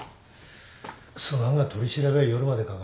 すまんが取り調べは夜までかかる。